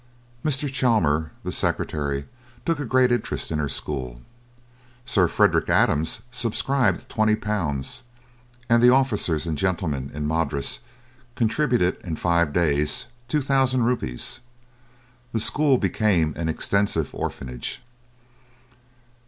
Mr. Chamier, the secretary, took a great interest in her school; Sir Frederick Adams subscribed 20 pounds, and officers and gentlemen in Madras contributed in five days 2,000 rupees. The school became an extensive orphanage.